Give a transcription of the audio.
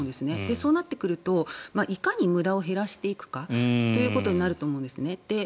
そうなってくるといかに無駄を減らしていくかということになると思うんですね。